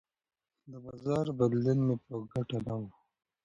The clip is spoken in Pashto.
د بازار بدلون مې په ګټه نه و.